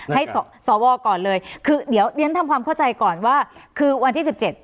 ให้สวก่อนเลยคือเดี๋ยวเรียนทำความเข้าใจก่อนว่าคือวันที่สิบเจ็ด